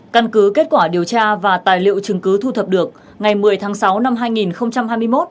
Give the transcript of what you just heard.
căn cứ kết quả điều tra và tài liệu chứng cứ thu thập được ngày một mươi tháng sáu năm hai nghìn hai mươi một